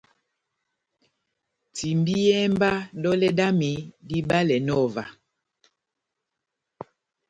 Timbiyɛhɛ mba dɔlɛ dami dibalɛnɔ ová.